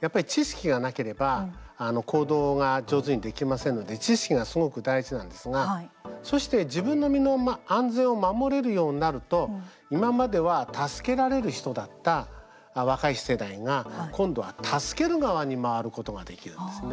やっぱり知識がなければ行動が上手にできませんので知識がすごく大事なんですがそして自分の身の安全を守れるようになると、今までは助けられる人だった若い世代が今度は助ける側に回ることができるんですね。